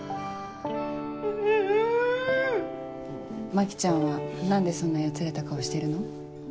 牧ちゃんは何でそんなやつれた顔してるの？